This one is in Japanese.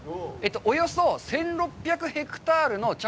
およそ１６００ヘクタールの茶